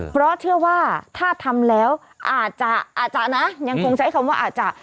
เพราะเชื่อว่าถ้าทำแล้วอาจจะอาจจะนะยังคงใช้คำว่าอาจจะ